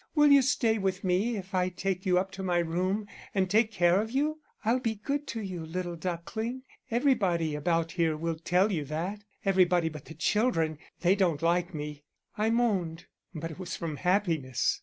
Will you stay with me if I take you up to my room and take care of you? I'll be good to you, little duckling, everybody about here will tell you that; everybody but the children, they don't like me.' I moaned, but it was from happiness.